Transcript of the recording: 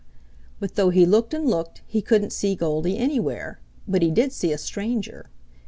But though he looked and looked he couldn't see Goldy anywhere, but he did see a stranger.